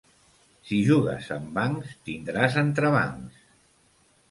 Si jugues amb bancs tindràs entrebancs.